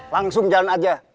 langsung jalan aja